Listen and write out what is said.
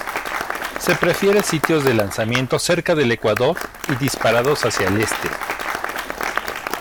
Se prefiere sitios de lanzamiento cerca del Ecuador y disparados hacia el Este.